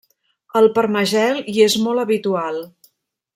El permagel hi és molt habitual.